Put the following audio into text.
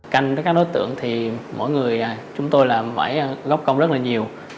canh với các đối tượng thì mỗi người chúng tôi là phải góp công rất là nhiều